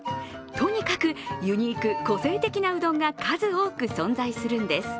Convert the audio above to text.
とにかく、ユニーク、個性的なうどんが数多く存在するんです。